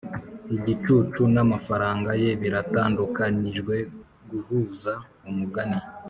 igicucu namafaranga ye biratandukanijwe guhuza umugani